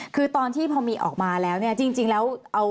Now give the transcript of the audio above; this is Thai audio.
คือตอนที่พอมีออกมาแล้วเนี่ยจริงแล้ว